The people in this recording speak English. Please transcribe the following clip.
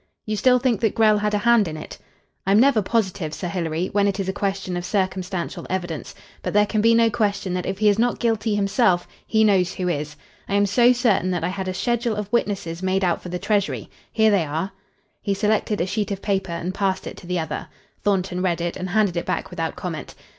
"You still think that Grell had a hand in it?" "I'm never positive, Sir Hilary, when it is a question of circumstantial evidence. But there can be no question that if he is not guilty himself he knows who is. I am so certain that I had a schedule of witnesses made out for the Treasury. Here they are." He selected a sheet of paper and passed it to the other. Thornton read it and handed it back without comment.